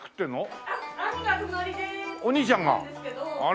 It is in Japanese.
お兄ちゃんがあら。